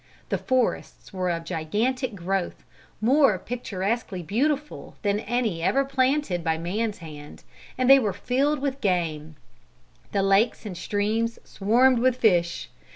The forests were of gigantic growth, more picturesquely beautiful than any ever planted by man's hand, and they were filled with game. The lakes and streams swarmed with fish.